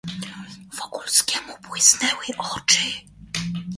"Wokulskiemu błysnęły oczy."